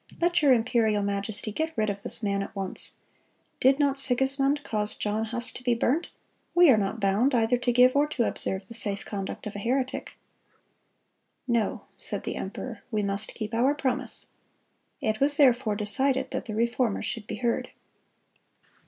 Let your imperial majesty get rid of this man at once. Did not Sigismund cause John Huss to be burnt? We are not bound either to give or to observe the safe conduct of a heretic." "No," said the emperor; "we must keep our promise."(211) It was therefore decided that the Reformer should be heard.